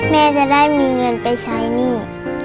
แม่จะได้มีเงินไปใช้หนี้